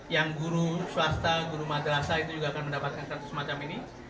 yang guru swasta guru madrasa itu juga akan mendapatkan kartu semacam ini